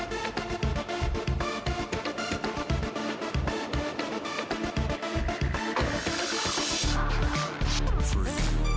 dia in sunglasses karena rasanya sujaris berwarna